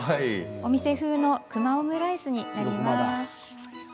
お店風のくまオムライスになります。